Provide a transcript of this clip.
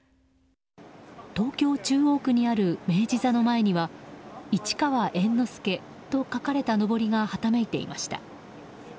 東京・中央区にある明治座の前には「市川猿之助」と書かれたのぼりがはためていました。